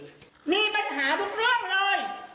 มีปัญหาทุกเรื่องเลย